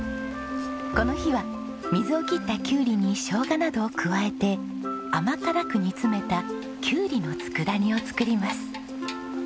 この日は水を切ったキュウリにショウガなどを加えて甘辛く煮詰めたキュウリの佃煮を作ります。